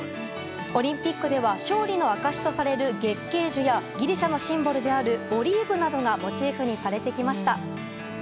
オリンピックでは勝利の証しとされる月桂樹やギリシャのシンボルであるオリーブなどがモチーフにされてきました。